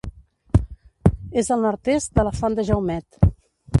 És al nord-est de la Font de Jaumet.